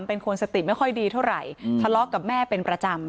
เป็นคนสติไม่ค่อยดีเท่าไหร่ทะเลาะกับแม่เป็นประจำ